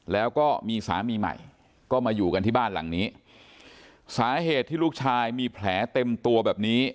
แล้วก็มีสามีใหม่ก็มาอยู่กันที่บ้านหลังนี้สาเหตุที่ลูกชายมีแผลเต็มตัวแบบนี้